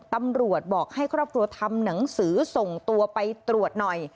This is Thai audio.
ตำรวจบอกให้ครอบครัวทำหนังสือส่งตัวไปตรวจหน่อย